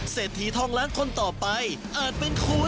เศรษฐีทองล้านคนต่อไปอาจเป็นคุณ